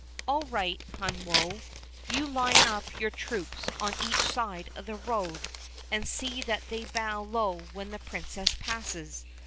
"All right, Hun Woe, you line up your troops on each side of the road, and see that they bow low when the Princess passes.